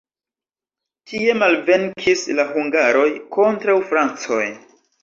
Tie malvenkis la hungaroj kontraŭ francoj.